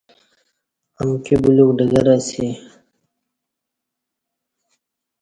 امکی بلیوک ڈگرہ اسی